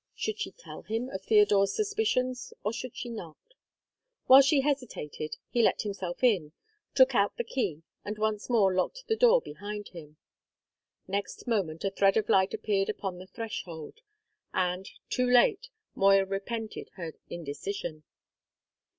Should she tell him of Theodore's suspicions, or should she not? While she hesitated, he let himself in, took out the key, and once more locked the door behind him. Next moment a thread of light appeared upon the threshold; and, too late, Moya repented her indecision.